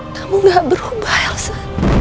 kamu gak berubah elsa